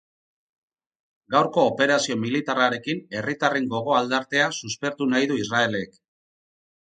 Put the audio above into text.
Gaurko operazio militarrarekin herritarren gogo-aldartea suspertu nahi du Israelek.